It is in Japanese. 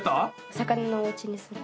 魚のおうちにする。